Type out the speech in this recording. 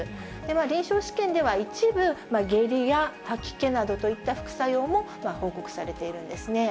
臨床試験では一部、下痢や吐き気などといった副作用も報告されているんですね。